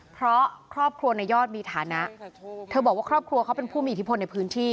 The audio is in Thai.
เพราะครอบครัวในยอดมีฐานะเธอบอกว่าครอบครัวเขาเป็นผู้มีอิทธิพลในพื้นที่